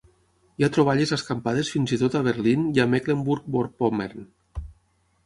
Hi ha troballes escampades fins i tot a Berlín i a Mecklenburg-Vorpommern.